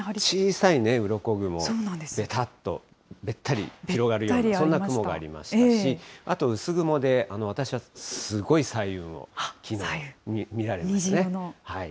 小さいうろこ雲、べたっと、べったり広がるようなそんな雲がありましたし、あと薄雲で、私はすごい彩雲をきのう、見られたんですね。